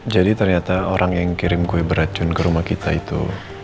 ternyata orang yang kirim kue beracun ke rumah kita itu